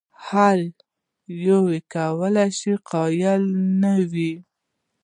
ایا هر یو کولای شي قایل نه وي؟